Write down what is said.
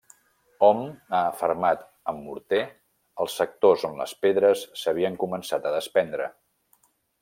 Hom ha afermat amb morter, els sectors on les pedres s'havien començat a despendre.